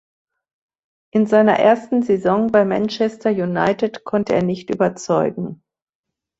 In seiner ersten Saison bei Manchester United konnte er nicht überzeugen.